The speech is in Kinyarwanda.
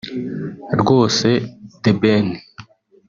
“ Rwose The Ben